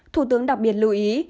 thủ tướng đặc biệt lưu ý